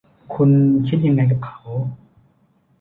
คุณคิดยังไงกับเขา